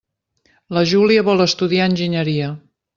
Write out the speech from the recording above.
La Júlia vol estudiar enginyeria.